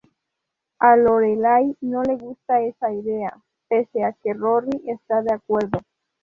A Lorelai no le gusta esa idea, pese a que Rory está de acuerdo.